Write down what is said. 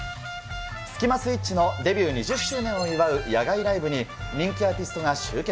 スキマスイッチのデビュー２０周年を祝う野外ライブに、人気アーティストが集結。